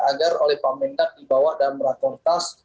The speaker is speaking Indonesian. agar oleh pak mendak dibawa dan merakam tas